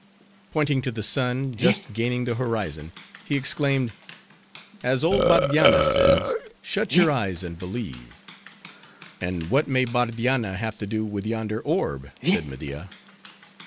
Pointing to the sun, just gaining the horizon, he exclaimed, "As old Bardianna says—shut your eyes, and believe." "And what may Bardianna have to do with yonder orb?" said Media.